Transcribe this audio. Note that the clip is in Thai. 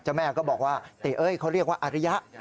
แม่ก็บอกว่าติเอ้ยเขาเรียกว่าอาริยะ